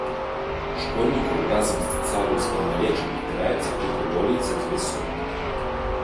Школьнікаў разам з дзетсадаўскай малечай набіраецца крыху болей за дзве сотні.